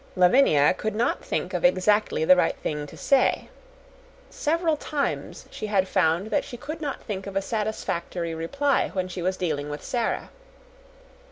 Lavinia could not think of exactly the right thing to say. Several times she had found that she could not think of a satisfactory reply when she was dealing with Sara.